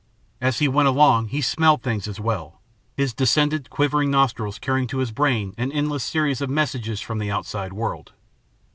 As he went along he smelled things, as well, his distended, quivering nostrils carrying to his brain an endless series of messages from the outside world.